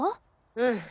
うん。